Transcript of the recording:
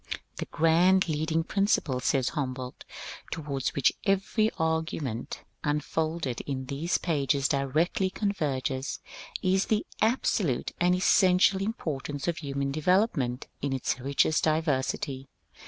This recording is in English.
^^The grand, leading principle," says Humboldt, ^^ towards which every argument unfolded in these pages directly converges, is the absolute and essential importance of human development in its richest diversity."